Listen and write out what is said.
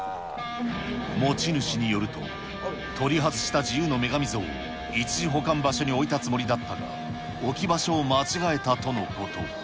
持ち主によると、取り外した自由の女神像を一時保管場所に置いたつもりだったが、置き場所を間違えたとのこと。